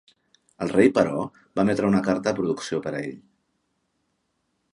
El rei, però, va emetre una carta de producció per a ell.